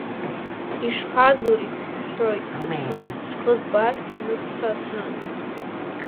Ишԥазури, – сҳәоит, сыԥсны, схы збар сыҩны ссасны!